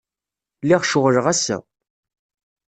Lliɣ ceɣleɣ ass-a.